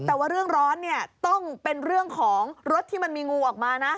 แต่ว่าเรื่องร้อนเนี่ยต้องเป็นเรื่องของรถที่มันมีงูออกมานะ